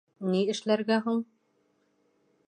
Ни эшләргә һуң?